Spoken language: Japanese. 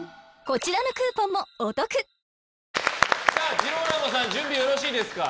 ジローラモさん準備よろしいですか？